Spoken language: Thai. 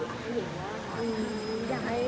อยากให้การกำลังใจ